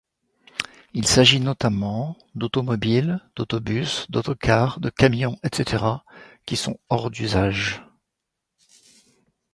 Il s'agit notamment d'automobiles, d'autobus, d'autocars, de camions, etc. qui sont hors d'usage.